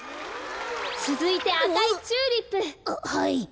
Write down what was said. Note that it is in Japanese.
つづいてあかいチューリップ。ははい。